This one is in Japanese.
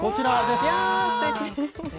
すてき。